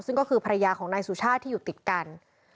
ซึ่งก็คือภรรยาของนายสุชาติที่อยู่ติดกัน